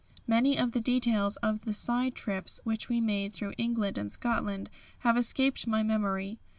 Many of the details of the side trips which we made through England and Scotland have escaped my memory.